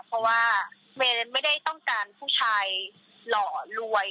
เพราะว่าเวรไม่ได้ต้องการผู้ชายหล่อรวย